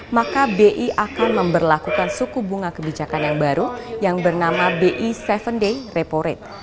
maka bi akan memperlakukan suku bunga kebijakan yang baru yang bernama bi tujuh day repo rate